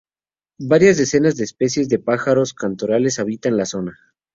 Varias decenas de especies de pájaros cantores habitan la zona.